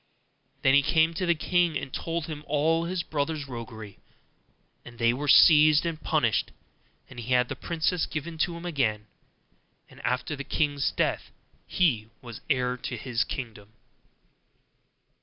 Then he went to the king, and told him all his brothers' roguery; and they were seized and punished, and he had the princess given to him again; and after the king's death he was heir to his kingdom.